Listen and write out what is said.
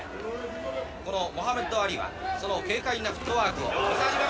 このモハメド・アリはその軽快なフットワークを。